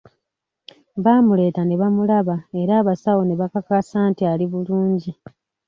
Baamuleeta ne bamulaba era abasawo ne babakakasa nti ali bulungi.